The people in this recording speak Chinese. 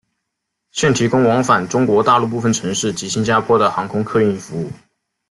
现提供往返中国大陆部分城市及新加坡的航空客运服务。